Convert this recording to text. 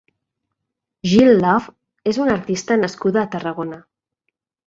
Jil Love és una artista nascuda a Tarragona.